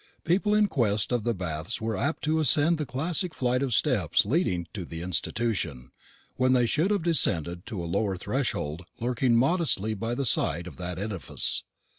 People in quest of the baths were apt to ascend the classic flight of steps leading to the Institution, when they should have descended to a lowlier threshold lurking modestly by the side of that edifice.